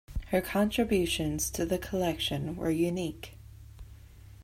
Her contributions to the collection were unique.